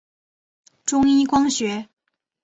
中一光学。